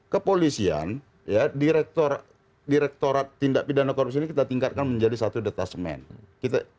kepolisian direktorat tindak pidana korupsi ini kita tingkatkan menjadi satu detas meja